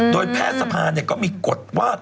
โดยแพทย์สภาก็มีกฎว่า